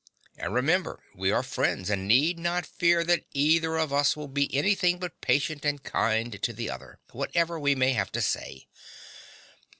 And remember; we are friends, and need not fear that either of us will be anything but patient and kind to the other, whatever we may have to say.